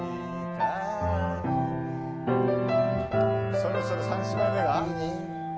そろそろ３姉妹目は。